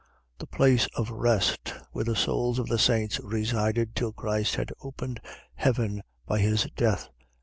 . .The place of rest, where the souls of the saints resided, till Christ had opened heaven by his death.